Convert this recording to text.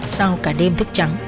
sau cả đêm thức trễ